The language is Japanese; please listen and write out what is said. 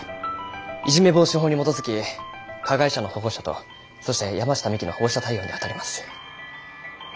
いじめ防止法に基づき加害者の保護者とそして山下未希の保護者対応に当たります。